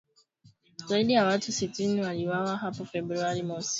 Zaidi ya watu sitini waliuawa hapo Februari mosi